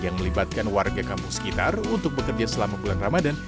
yang melibatkan warga kampung sekitar untuk bekerja selama bulan ramadan